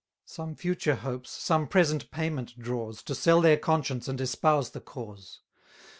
Some future hopes, some present payment draws, To sell their conscience and espouse the cause.